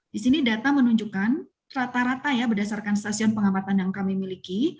di sini data menunjukkan rata rata ya berdasarkan stasiun pengamatan yang kami miliki